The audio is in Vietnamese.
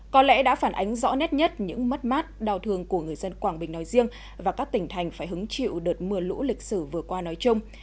có lẽ đã phản ánh rõ nét nhất những mất mát đau thương của người dân quảng bình nói riêng và các tỉnh thành phải hứng chịu đợt mưa lũ lịch sử vừa qua nói chung